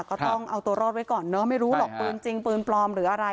ก็ต้องเอาตัวรอดไว้ก่อนเนอะไม่รู้หรอกปืนจริงปืนปลอมหรืออะไร